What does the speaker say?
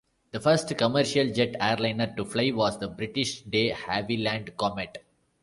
The first commercial jet airliner to fly was the British De Havilland Comet.